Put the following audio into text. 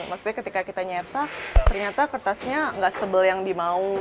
maksudnya ketika kita nyetak ternyata kertasnya nggak sebel yang dimau